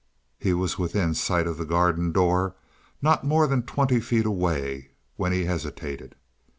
He was within sight of the garden door, not more than twenty feet away, when he hesitated.